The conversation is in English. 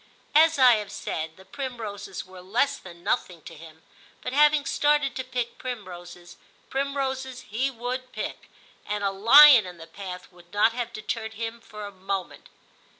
As I have said, the primroses were less than nothing to him, but having started to pick primroses, primroses he would pick, and a lion in the path would not have deterred him for a moment.